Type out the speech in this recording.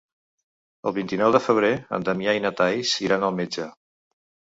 El vint-i-nou de febrer en Damià i na Thaís iran al metge.